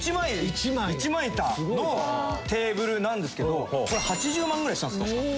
一枚板のテーブルなんですけどこれ８０万ぐらいしたんです確か。